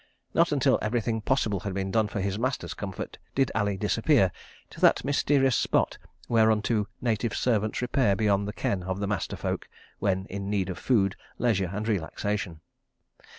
Not until everything possible had been done for his master's comfort did Ali disappear to that mysterious spot whereunto native servants repair beyond the ken of the master folk, when in need of food, leisure and relaxation.